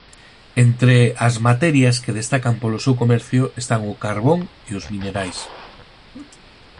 Entre as materias que destacan polo seu comercio están o carbón e os minerais.